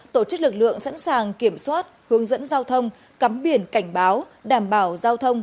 tổ chức lực lượng sẵn sàng kiểm soát hướng dẫn giao thông cắm biển cảnh báo đảm bảo giao thông